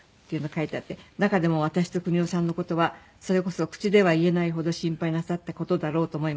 「中でも私と國夫さんの事はそれこそ口では言えないほど心配なさった事だろうと思います」